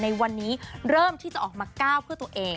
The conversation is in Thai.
ในวันนี้เริ่มที่จะออกมาก้าวเพื่อตัวเอง